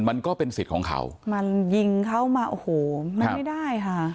มันก็เป็นสิทธิ์ของเขามันยิงเขามาโอ้โหมันไม่ได้ค่ะ